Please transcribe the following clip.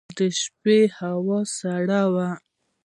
د شپې هوا سړه وه.